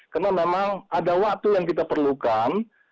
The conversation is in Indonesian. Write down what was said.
karena memang ada waktu yang kita perlukan